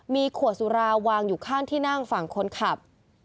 มีขวดสุราวางอยู่ข้างที่นั่งฝั่งคนขับ